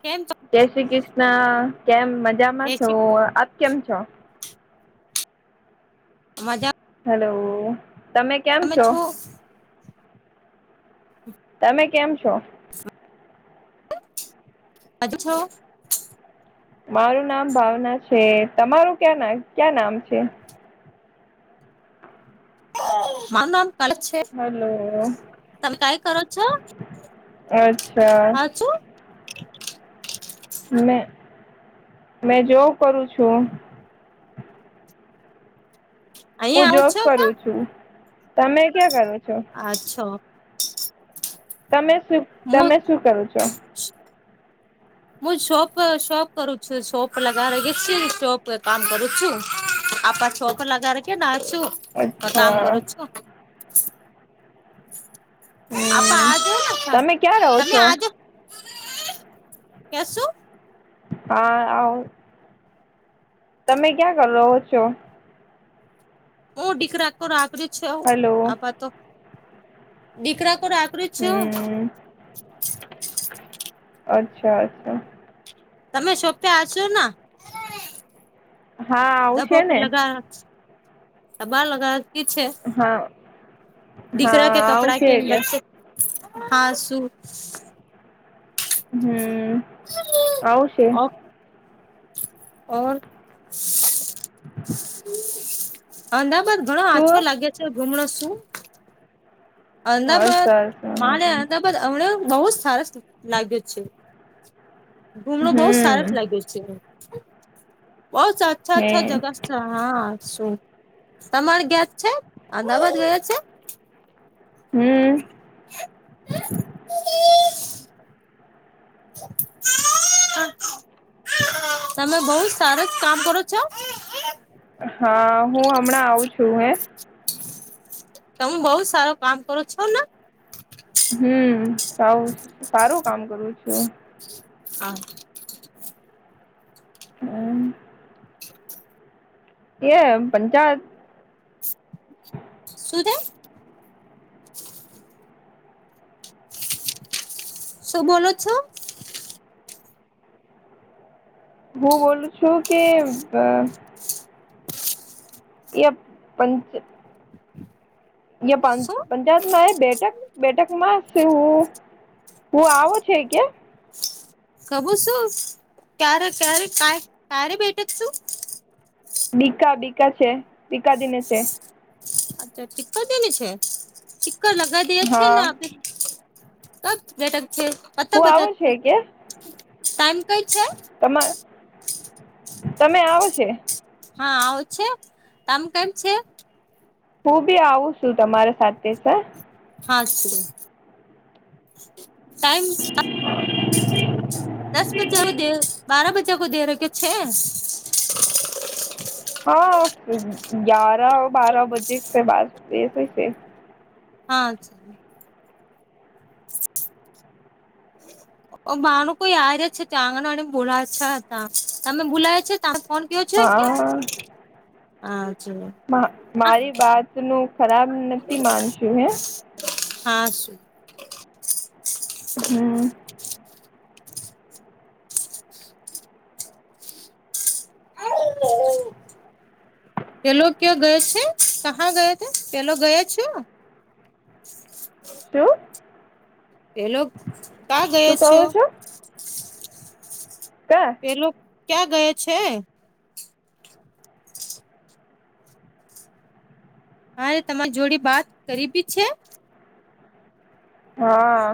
કેમ છ જય શ્રી કૃષ્ણ કેમ મજામાં છો, આપ કેમ છો? મજા હલો તમે. કેમ તમે છો છું. તમે કેમ છો? [inaudible] છો. મારું નામ ભાવના છે. તમારું ક્યાં ના ક્યાં નામ છે? મારું નામ કળશ છે. હલો તમે કાઈ કરો છો? અચ્છા હાચુ? મે મેં જોબ કરું છું. હું અહીંયા આવો જોબ છો કા કરું છું. તમે ક્યાં કરો છો? અચ્છા. તમે શું હું તમે શું કરો છો? હું શોપ શોપ કરું છું શોપ લગાવ ગ શોપ કામ કરું છું આપા શોપ. પ લગ ર કે ના છું કામ અચ્છા કરુ છું. આપ હમ આજે ને છ તમે ક્યાં રહો તમે છો આજો. કેસું? તા આવ. તમે ક્યાં કર રહો છો? હું દીકરાકો આકરી છે. હલો આ પાતો દીકરાકો ફ્રી છું. હમ અચ્છા અચ્છા. તમે શોપે હશો ના હા આવશે ડબોક ને લગાવ. તબા લગાતી છે હા હા દીકરા કે કપડા કે આવશે અંદચ્ચે. હા સુું. હમ્ આવશે. ઓર? અમદાવાદ ઘણો આછો શું લાગે છે ઘુમણ શું? અમદાવાદ સરસ સામે અમદા હમને બહુ જ સરસ લાગ્યો છે. ગુમણ બહુ સરસ હમ લાગે છે. બહું અચ્છા અચ્છા હે જગ અચ્છા હા શું તમાર ગેજ છે અ અમદાવાદ ગયા છે? હમ તમે બહુ સારું જ કામ કરો છો. હા હું હમણાં આવું છું હે. તમે બહુ સારું કામ કરું છો ને? હમ સવ સારું કામ કરું છું હા હ [inaudible] એ પંચાયત શું થે શું બોલો છો હું બોલું છું કે અ એય પંચ અયા શું પંચાયતમાં એ બેઠક બેઠકમાં શું ઓ આવો છે કે ખબર શું ક્યારે ક્યારે ક્યારે બેઠક છું બીકા બીકા છે બકાદીને છે અચ્છા ચીકર તેની છે ચીક્કર લગાવ દેએ છે ને હા આપડે કબ બેટ જ છે કત હું બજત આવો છે કે ટાઈમ કઈ છે તમા તમે આવો છે હા આવું છે તમ કેમ છે હું બી આવું છું તમારા સાથે સર હા શ ટાઈમ દસ બ્ચા દે બારા બચ્ચા કો દે ર કે છે હા ગ્યાર બાર બજે છે બે બે છે હા જ બારનું કોઈ આવી ર છે ત્યાં આંગનવાળી બોલાવ છે તા તમે બુલાયા છે તા કોણ કેવો છે હા આવજો મારી બાત નું ખરાબ નથી માનશું હે હા સુું હમ [inaudible] પેલો કયો ગયો છે કહા ગયા છે પેલો ગયા છો તું પેલો કાં ગયો શું કહો છો કા પેલો ક્યાં ગયે છે હારે તમારી જોડી વાત કરીબી છે હા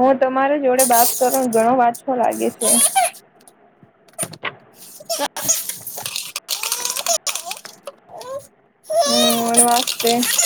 હું તમારા જોડે બાત કરો ઘણો વાછો લાગે છે [inaudible] [inaudible] હમ [unintelligible]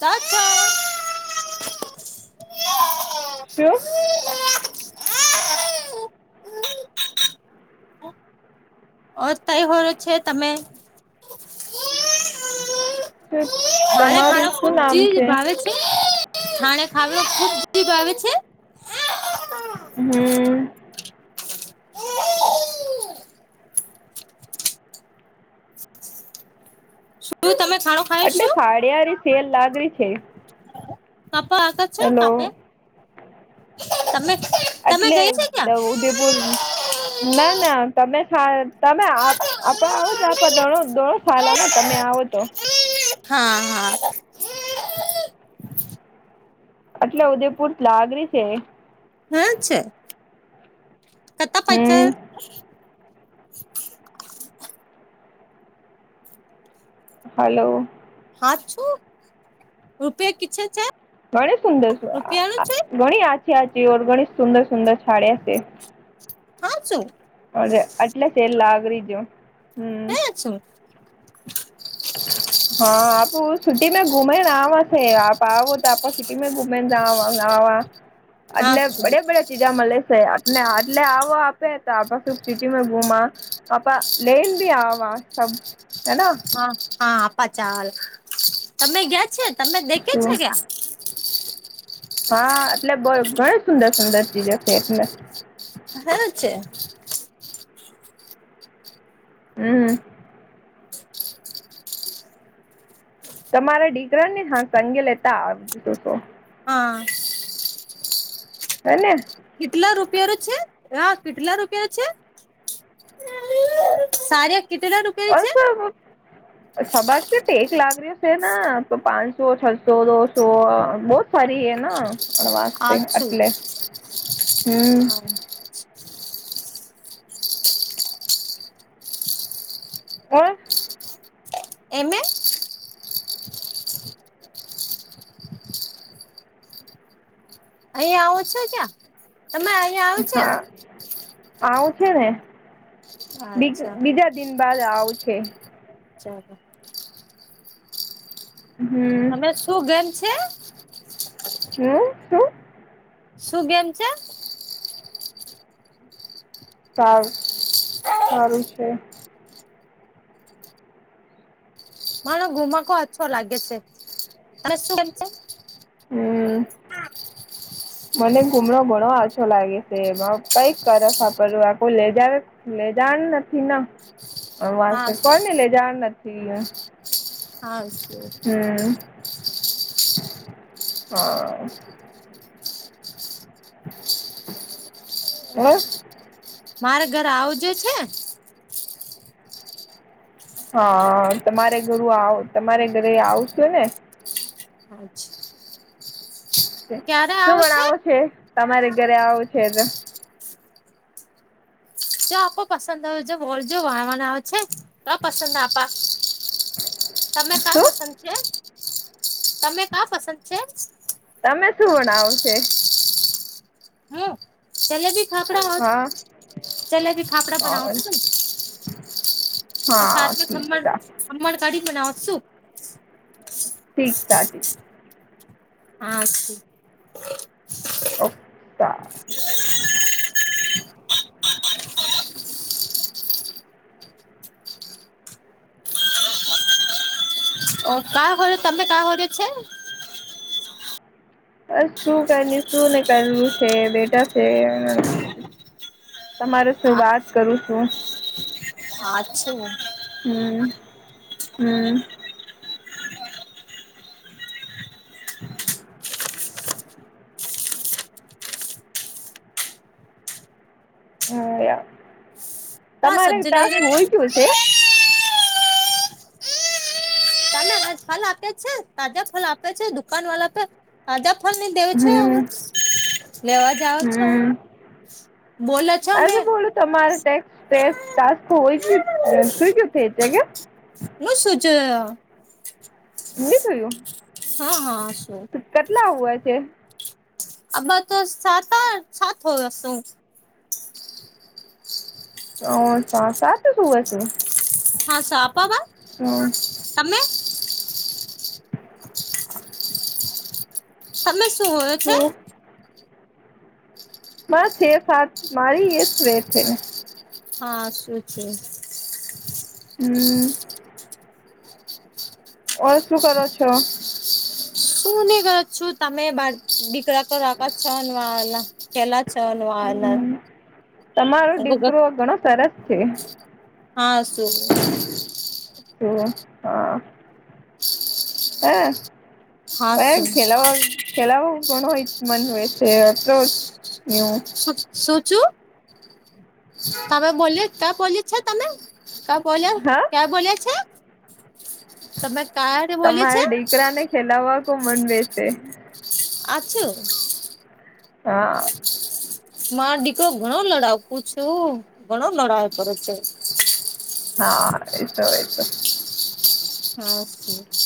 તત શું ઓ તઈ હો છે તમે ત છાણે ખારા ખુબ જી ભાવે છે છાણે ખાવ ખુબ જી ભાવે છે હમ શું તમે ખાણો ખાય એટલે શું સાડિયાની સેલ લાગણી છે કાપા આગળ છે હેલો કાપે તમે તમે એટલે ગયા છે ક્યાં ઉદયપુર ના ના તમે તમે આપ આવોજ આપ દો, દોણો ખાલાના તમે આવો તો. હા, હા. એટલે ઉદયપુર. લાગરી છે. હા, છે. કરતા પ છે. હમ હલો. હાથ છું, રૂપિયા કછ છે. ઘણી સુંદર, રૂપિયાનું છે ઘણી આછી આચી ઓર ઘણી સુંદર સુંદર છાડ્યા છે. હા, છું. એટલે છે, લાગરી જો હમ. [unintelligible] હ. હા, આપ સિટી મે ઘુમેને આ છે, આપ આો તો આપ સિટી મે ઘુમે. [unintelligible] એટલે છું બડે બડે ચીજા મળે છે ને, આટલે આવો. આપ સિટી મે ઘુમા આપા લેન, ભી આવા સબ. હેના હા, હા, આપા ચાલ તમે ગયા છે, તમે દેખે છે, શું કેયા. હા, એટલે બ ઘણી સુંદર સુંદર ચીજ હ છે, એટલે હા, છે. હમ. તમારા દીકરા ને, હા, તંગે લેતા આવુંશો. હા. હ ને. કેટલા રૂપિયા નું છે? હા, કેટલા રૂપિયા છે. સારું કેટલાનું? અસ [unintelligible] [unintelligible] સભજ છે, ટેક લાગ રહ્યો છે, પાંચસો, છસો, દોસો બહુ ફરીએ, ના અ વાસ્તે આઠસો એટલે હમ. હા. એમે. અહીં આવો છો ક્યા? તમે અહીંયા આવો છો? હા આવું છે ને, અચ્છા બીજા દિન બાદ આવું છે. બ [unintelligible] હમ તમે શું ગમે છે? હમ, શું? શું ગેમ છે? સારું, સારું છે. મણ ઘુમાકો અછો લાગે છે, ત શ હમ હમ. મને ઘુમણો ઘણો આછો લાગે શે, બો કાઈ કરશે, આપલે આપુ લે જાયેશ. લેજાણ નથી, ના વા હા કોઈને ને લેજાણ નથી. હા છે. હમ. હા. અવે. મારે ઘરે આવજો જ છે. હા, તમારે ગુરું આવ તમારે ઘરે આવશું ને. હા, અચ્છા. કે શું બનાવો છે તમારે ધેરે આવો છે તો. જો આપકો પસંદ હોવે જો બોલજો વા વાણવો છે. કો પસંદ આપા. તમે કા શું પસંદ છે, તમે કા પસંદ છે. તમે શું વાણાવ છે. હું જલેબી ફાફડા હોત, હા જલેબી ફાફડા બનાવું છું. હા ઓર સાથ મે ખંમણ ઠીક ખંમણ કાઢી બનાવું શું ઠીક ટાઢી. હા, શું? ઓક્કા. ઓ કા હોધ તમે કા હોધે છે. બસ, શું કરની શું ની કરનું છે બેટા છે. તમારે શું વાત કરું છું. આ છું? હમ્મ, હમ્મ. હ, માં તમારે સબ્જી લેવ ટાસ્ક છે. વોઈ ગીયું શે. તમે ફલ આપે છે, તાજા ફલ આપે છે, દુકાન વાલા આપે. તાજા ફલની દેવ હમ છો, લેવા જાવ છો. બોલછ આજે બોલો તમારે ટેક્સ કેસ ટા તો હોય સુ જે કેે છે કેમ. મું સૂચય. ની થયું. હા, હા. શું ત કેટલા હોવા છે. આબ્બા તો સાત આઠ સાત હોય શું. હ, સાત આઠ જ હોયા શું. હા, શાપાવા તમે. તમે શું હોયો છે. શું બસ છે સાત મારી એસ વે છે. હા, શું છે? હમ્મ. ઓર, શું કરો છો? શું ની કરો છો તમે બાર દીકરા પર આપાત છન વાલા પેલા હમ્મ તમારો દીકરો ઘણો સરસ છે. હા, શું. છે હ, હે. હા અ ન શું ખેલાવો ખેલાવો ઘણો હોય મન હોય છે તો યુ. શું શું ચું. [inaudible] કા બોલો કા બોલી છો તમે, કા બોલો હા કા બોલો છે. તમે. ક્યારે બોલે છે તમારા દીકરાને ખેલાવવા કો મન વેસે. આ છું. હા. માર દીકરો ઘણો લડાકુ છું. ઘણો લડાવ કરે છે. હા એતો એતો. હમ્મ.